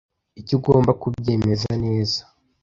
icyo ugomba kubyemeza neza